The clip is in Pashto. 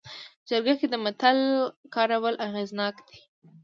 جرګه کې د متل کارول اغېزناک دي